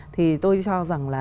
thì tôi cho rằng là